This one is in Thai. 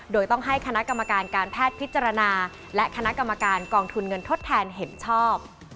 โดยต้องให้คณะกรรมการการแพทย์พิจารณาและคณะกรรมการกองทุนเงินทดแทนเห็นชอบ